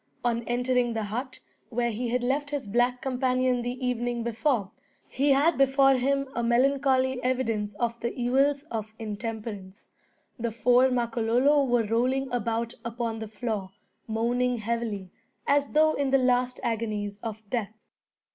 On entering the hut where he had left his black companion the evening before, he had before him a melancholy evidence of the evils of intemperance. The four Makololo were rolling about upon the floor, moaning heavily, as though in the last agonies of death.